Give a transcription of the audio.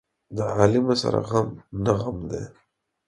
د عالمه سره غم نه غم دى.